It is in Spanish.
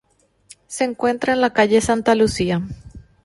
Se encuentra en la calle Santa Lucía.